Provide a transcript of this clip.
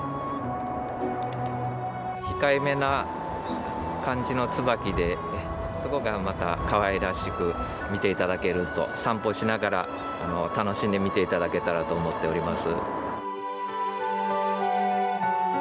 控えめな感じのツバキでそこがまたかわいらしく見ていただけると散歩しながら楽しんで見ていただけたらと思っております。